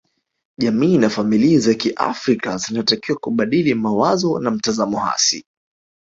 Jamii na familia za kiafrika zinatakiwa kubadili mawazo na mtazamo hasi